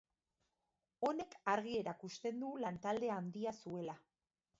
Honek argi erakusten du lantalde handia zuela.